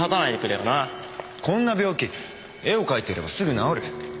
こんな病気絵を描いてればすぐ治る。